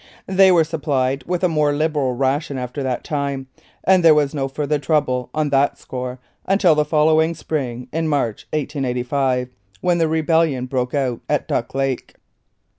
They were supplied with a more liberal ration after that time, and there was no further trouble on that score until the following spring, in March, 1885, when the rebellion broke out at Duck Lake."